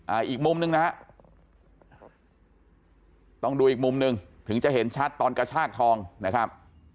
อีกมุมหนึ่งนะฮะต้องดูอีกมุมหนึ่งถึงจะเห็นชัดตอนกระชากทองนะครับ